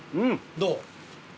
どう？